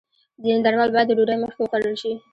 ځینې درمل باید د ډوډۍ مخکې وخوړل شي.